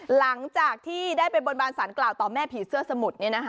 หลังจากที่ได้ไปบนบานสารกล่าวต่อแม่ผีเสื้อสมุทร